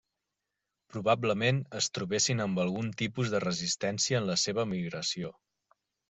Probablement, es trobessin amb algun tipus de resistència en la seva migració.